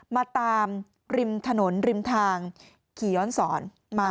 มาตามริมถนนริมทางขี่ย้อนสอนมา